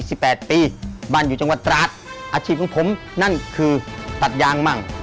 สิบแปดปีบ้านอยู่จังหวัดตราดอาชีพของผมนั่นคือตัดยางมั่ง